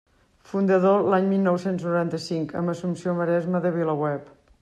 Fundador l'any mil nou-cents noranta-cinc, amb Assumpció Maresma, de VilaWeb.